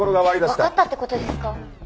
「わかったって事ですか？」